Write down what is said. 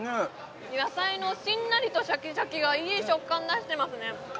野菜のしんなりとシャキシャキがいい食感出してますね